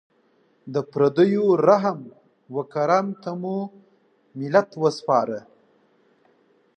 د پردیو رحم و کرم ته مو ملت وسپاره.